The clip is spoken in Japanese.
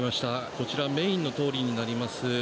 こちらメインの通りになります。